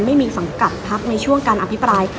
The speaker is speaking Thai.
สังกัดพักในช่วงการอภิปราย